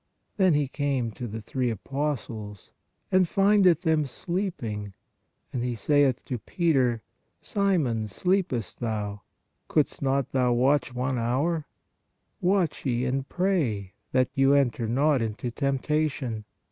Then He came to the three apostles, " and findeth them sleeping. And He saith to Peter: Simon, sleepest thou? Couldst thou not watch one hour? Watch ye and pray that you enter not into tempta tion.